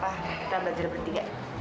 kita belajar bertiga